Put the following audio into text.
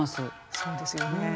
そうですよね。